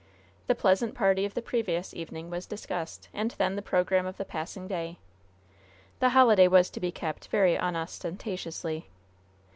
The pleasant party of the previous evening was discussed, and then the program of the passing day. The holiday was to be kept very unostentatiously.